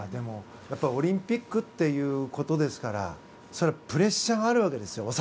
オリンピックということですからプレッシャーはあるわけですよ